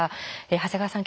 長谷川さん